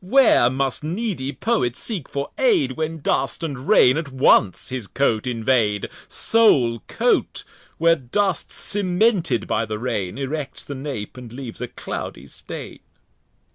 where must needy Poet seek for Aid, When Dust and Rain at once his Coat invade; Sole Coat, where Dust cemented by the Rain, Erects the Nap, and leaves a cloudy Stain.